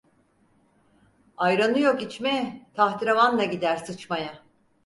Ayranı yok içmeye, tahtırevanla gider sıçmaya.